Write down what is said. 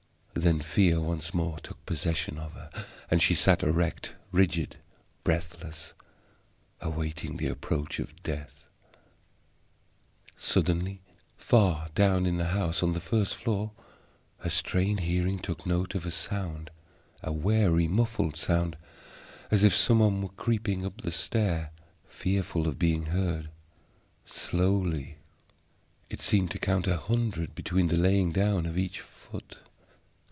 Then fear once more took possession of her, and she sat erect, rigid, breathless, awaiting the approach of Death. Suddenly, far down in the house, on the first floor, her strained hearing took note of a sound a wary, muffled sound, as if some one were creeping up the stair, fearful of being heard. Slowly! It seemed to count a hundred between the laying down of each foot.